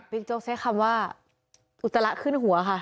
บิ๊กโจ๊กเช็คคำว่าอุตละขึ้นหัวค่ะ